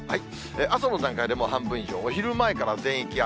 朝の段階でもう半分以上、お昼前から全域雨。